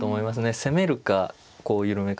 攻めるかこう緩めるか。